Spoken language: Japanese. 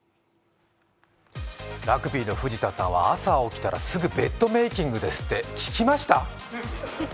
ラグビーの藤田さんは朝起きたら、すぐベッドメイキングですって、聞きました？